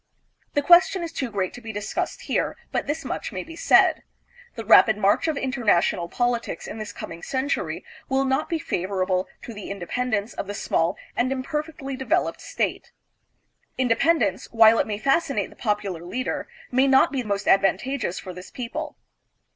The question is too great to be discussed here, but this much may be said: The rapid march of international politics in this coming century will not be favorable to the independence of the small and imper fectly developed state. Independence, while it may fas cinate the popular leader, may not be most advantageous for this people.